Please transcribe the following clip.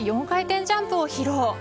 ４回転ジャンプを披露。